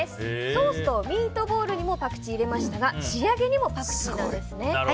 ソースとミートボールにもパクチーを入れましたが仕上げにもパクチーなんですね。